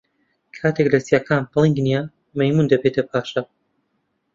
کاتێک لە چیاکان پڵنگ نییە، مەیموون دەبێتە پاشا.